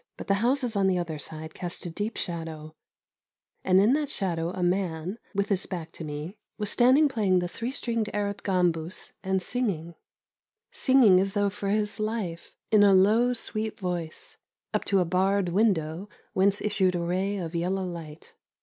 But the houses on the other side cast a deep shadow, and in that shadow a man, with his back to me, was standing playing the three stringed Arab gambus, and singing singing as though for his life, in a low, sweet voice up to a barred window whence issued a ray of yellow light.